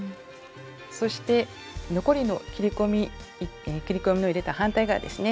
そして残りの切り込みを入れた反対側ですね。